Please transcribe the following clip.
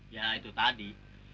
ya itu tadi